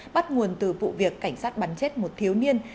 bắt nguồn từ vụ việc cảnh sát bắn chết một thiếu niên